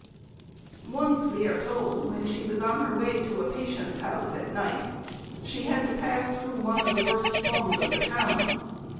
Once, we are told, when she was on her way to a patient's house at night, she had to pass through one of the worst slums of the town.